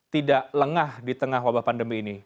tidak lengah di tengah wabah pandemi ini